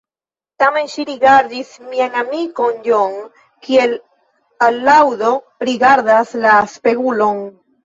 Tamen ŝi rigardis mian amikon John, kiel alaŭdo rigardas la spegulon.